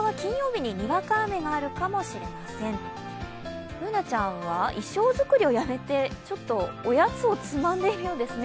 Ｂｏｏｎａちゃんは衣装作りをやめてちょっとおやつをつまんでるようですね。